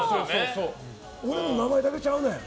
俺の名前だけちゃうねん。